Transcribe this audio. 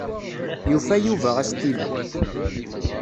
Yufa Yuba astilu.